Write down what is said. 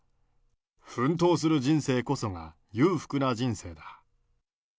奮闘する人生こそが裕福な人生だ。